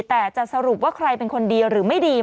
แต่จะสรุปว่าใครเป็นคนดีหรือไม่ดี